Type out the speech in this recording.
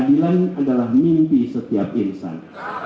keadilan adalah mimpi setiap insan